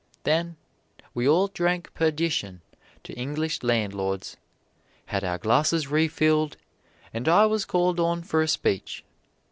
Then we all drank perdition to English landlords, had our glasses refilled, and I was called on for a speech.